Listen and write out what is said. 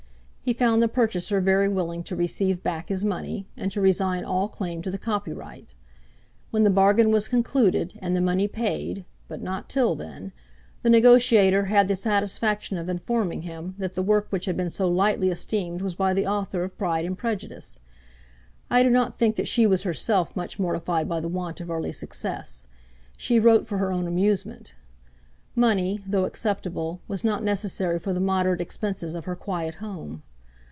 He found the purchaser very willing to receive back his money, and to resign all claim to the copyright. When the bargain was concluded and the money paid, but not till then, the negotiator had the satisfaction of informing him that the work which had been so lightly esteemed was by the author of 'Pride and Prejudice.' I do not think that she was herself much mortified by the want of early success. She wrote for her own amusement. Money, though acceptable, was not necessary for the moderate expenses of her quiet home.